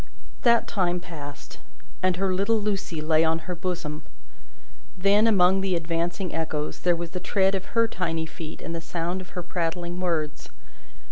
That time passed, and her little Lucie lay on her bosom. Then, among the advancing echoes, there was the tread of her tiny feet and the sound of her prattling words.